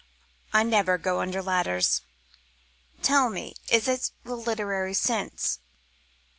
"I never go under ladders. Tell me, is it the literary sense?"